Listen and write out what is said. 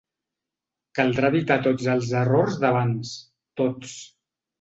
Caldrà evitar tots els errors d’abans: tots.